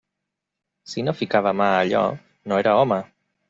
Si no ficava mà a allò, no era home!